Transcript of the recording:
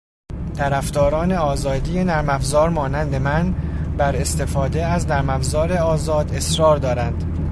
طرفداران آزادی نرمافزار مانند من، بر استفاده از نرمافزار آزاد اصرار دارند